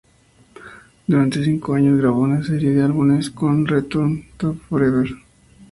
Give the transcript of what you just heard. Durante cinco años, grabó una serie de álbumes con Return to Forever.